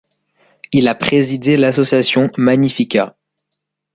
Il a présidé l'association Magnificat.